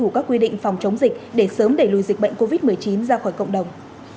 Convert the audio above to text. hãy tuân thủ các quy định phòng chống dịch để sớm đẩy lùi dịch bệnh covid một mươi chín ra khỏi cộng đồng